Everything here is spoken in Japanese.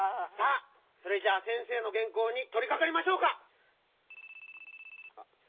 さあそれじゃあ先生のげんこうにとりかかりましょうか！